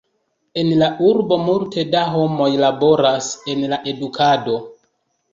En la urbo multe da homoj laboras en la edukado.